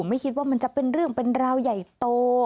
ไม่คิดว่ามันจะเป็นเรื่องเป็นราวใหญ่โต